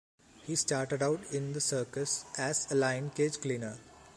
He started out in the circus as a lion-cage cleaner.